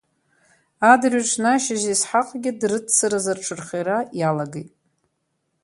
Адырҩаҽны ашьыжь Есҳаҟгьы дрыццаразы рҽырхиара иалагеит.